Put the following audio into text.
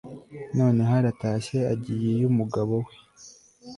noneho aratashye, agiye iy'umugabo we